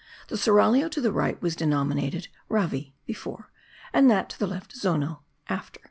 The seraglio to the right was denominated "Ravi" (Before), that to the left "Zono" (After).